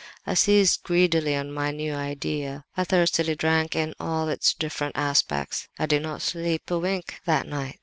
I seized greedily on my new idea; I thirstily drank in all its different aspects (I did not sleep a wink that night!)